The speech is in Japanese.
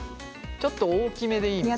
ちょっと大きめでいいみたい。